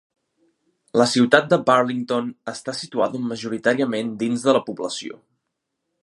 La Ciutat de Burlington està situada majoritàriament dins de la població.